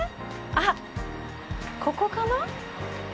あっ、ここかな？